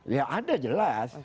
ya ada jelas